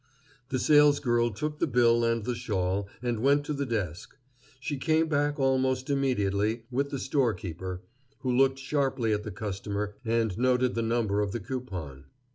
The salesgirl took the bill and the shawl, and went to the desk. She came back, almost immediately, with the storekeeper, who looked sharply at the customer and noted the number of the coupon.